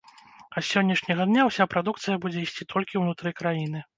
А з сённяшняга дня ўся прадукцыя будзе ісці толькі ўнутры краіны.